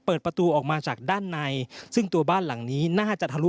เปิดประตูออกมาจากด้านในซึ่งตัวบ้านหลังนี้น่าจะทะลุ